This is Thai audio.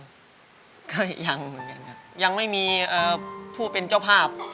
ก็ยังเหมือนกันครับยังไม่มีผู้เป็นเจ้าภาพ